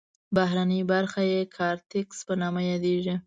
بهرنۍ برخه یې کارتکس په نامه یادیږي.